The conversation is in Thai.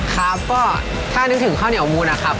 ครับก็ถ้านึกถึงข้าวเหนียวมูลนะครับ